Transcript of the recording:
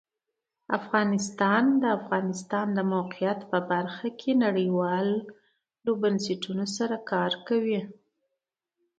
افغانستان د د افغانستان د موقعیت په برخه کې نړیوالو بنسټونو سره کار کوي.